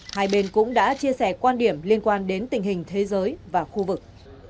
hai bên cũng đã chia sẻ quan điểm liên quan đến tình hình thế giới và khu vực